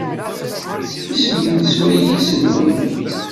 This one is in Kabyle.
Isem-nnes wayis-nwen?